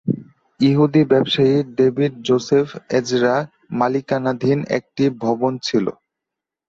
ইহুদি ব্যবসায়ী David Joseph Ezra মালিকানাধীন একটি ভবন ছিল।